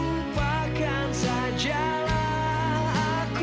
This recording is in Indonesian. lupakan sajalah aku